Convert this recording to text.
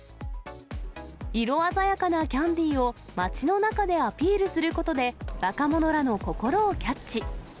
色鮮やかなキャンディーを街の中でアピールすることで、若者らの心をキャッチ。